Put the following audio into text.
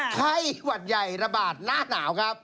ไข้หวัดใหญ่ระบาดหน้าหนาวครับ